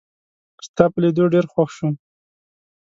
ستا په لیدو ډېر خوښ شوم